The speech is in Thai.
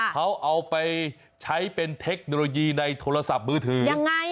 เขาเอาไปใช้เป็นเทคโนโลยีในโทรศัพท์มือถือยังไง